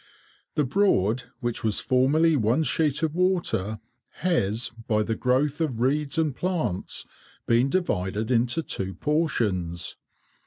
The Broad, which was formerly one sheet of water, has, by the growth of reeds and plants, been divided into two portions.